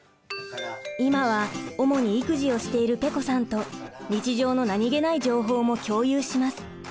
今は主に育児をしているぺこさんと日常の何気ない情報も共有します。